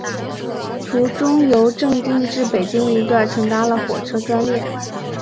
途中由正定至北京一段乘搭了火车专列。